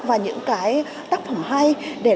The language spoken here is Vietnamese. và những cái tác phẩm hay